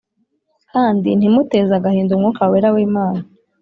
Kandi ntimuteze agahinda Umwuka Wera w'Imana